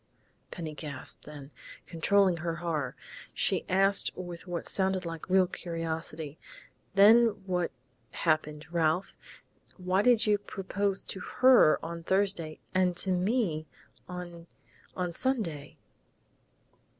Penny gasped, then, controlling her horror, she asked with what sounded like real curiosity, "Then what happened, Ralph? Why do you propose to her on Thursday and to me on on Sunday?"